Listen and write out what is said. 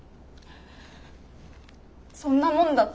そんなもんだった？